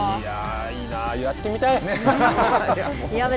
やってみたい。